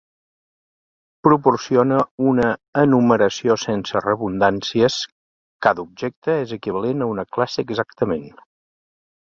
Proporciona una enumeració sense redundàncies: cada objecte és equivalent a una classe exactament.